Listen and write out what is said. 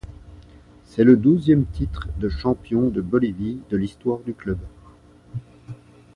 C'est le douzième titre de champion de Bolivie de l'histoire du club.